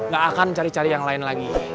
gak akan cari cari yang lain lagi